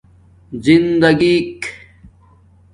زندگݵ ک